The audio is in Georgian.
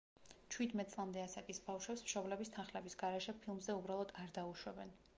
ჩვიდმეტ წლამდე ასაკის ბავშვებს მშობლების თანხლების გარეშე ფილმზე უბრალოდ არ დაუშვებენ.